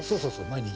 毎日。